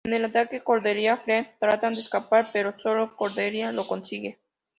En el ataque Cordelia y Fred tratan de escapar, pero solo Cordelia lo consigue.